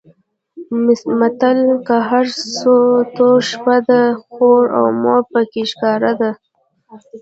متل؛ که هر څو توره شپه ده؛ خور او مور په کې ښکاره ده.